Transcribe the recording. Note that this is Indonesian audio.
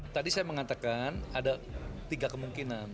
tadi saya mengatakan ada tiga kemungkinan